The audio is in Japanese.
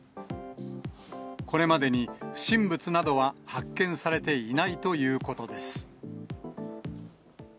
これまでに不審物などは発見されていないということです。